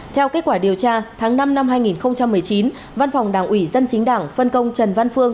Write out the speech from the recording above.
theo kết quả điều tra tháng năm năm hai nghìn một mươi chín văn phòng đảng ủy dân chính đảng phân công trần văn phương